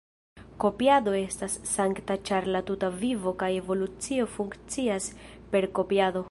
Kopiado estas sankta ĉar la tuta vivo kaj evolucio funkcias per kopiado.